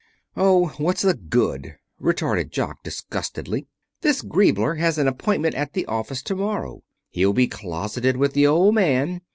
"Oh, what's the good!" retorted Jock disgustedly. "This Griebler has an appointment at the office to morrow. He'll be closeted with the Old Man.